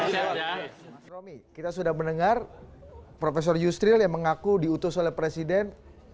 mas romi kita sudah mendengar profesor yusril yang mengaku diutus oleh presiden